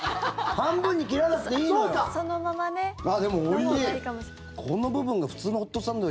半分に切らなくていいのよ！